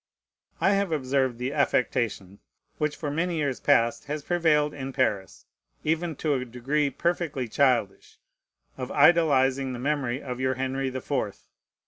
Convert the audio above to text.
I have observed the affectation which for many years past has prevailed in Paris, even to a degree perfectly childish, of idolizing the memory of your Henry the Fourth.